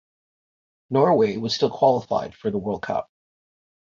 Norway was still qualified for the World Cup.